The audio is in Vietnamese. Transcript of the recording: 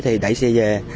thì đẩy xe về